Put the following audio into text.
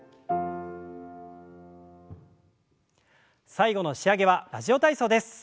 最後の仕上げは「ラジオ体操」です。